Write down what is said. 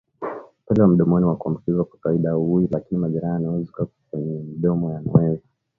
Upele wa mdomoni wa kuambukizana kwa kawaida hauui lakini majeraha yanayozuka kwenye mdomo yanaweza